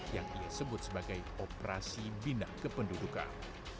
yang ia sebut sebagai operasi bina kependudukan